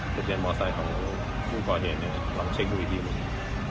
กระเทียนมอสไซค์ของผู้กอเดนเนี่ยลองเช็คดูอีกทีหนึ่ง